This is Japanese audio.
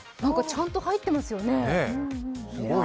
ちゃんと入ってますよね。